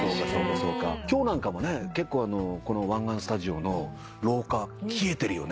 今日なんかもね結構湾岸スタジオの廊下冷えてるよね。